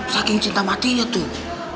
saking cinta matinya tuh